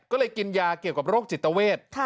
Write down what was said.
ก็เลยกินยาเกี่ยวกับโรคจิตเวท